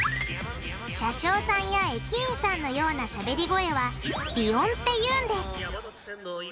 車掌さんや駅員さんのようなしゃべり声は「鼻音」って言うんです。